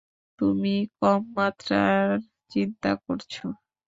তুমি কমমাত্রার চিন্তা করছো।